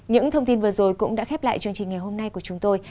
những thông tin vừa rồi cũng đã khép lại chương trình ngày hôm nay của chúng tôi